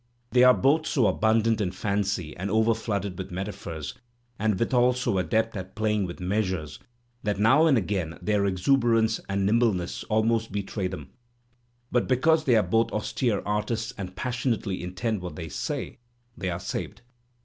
They are both so abundant in fancy and overflooded with metaphors, and withal so adept at playing with measures, that now and and again their exuberance and nimbleness almost betray them; but because they are both austere artists and passion ately intend what they say, they are saved.